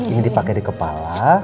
ini dipakai di kepala